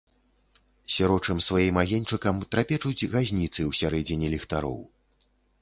Сірочым сваім агеньчыкам трапечуць газніцы ў сярэдзіне ліхтароў.